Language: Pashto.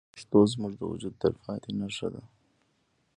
پښتو زموږ د وجود تلپاتې نښه ده.